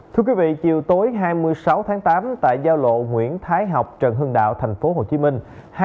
thưa quý vị chiều tối hai mươi sáu tháng tám tại giao lộ nguyễn thái học trần hương đạo thành phố hồ chí minh